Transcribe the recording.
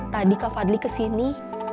tadi kak fadli kesini